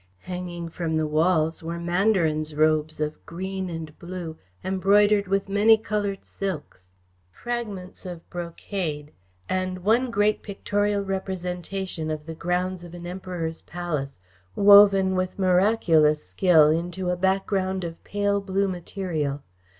Hanging from the walls were mandarins' robes of green and blue, embroidered with many coloured silks, fragments of brocade, and one great pictorial representation of the grounds of an emperor's palace, woven with miraculous skill into a background of pale blue material.